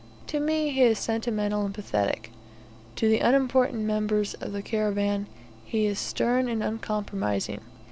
To me he is sentimental and pathetic; to the unimportant members of the caravan he is stern and uncompromising.